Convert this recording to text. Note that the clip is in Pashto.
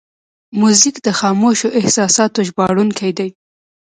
موزیک د خاموشو احساساتو ژباړونکی دی.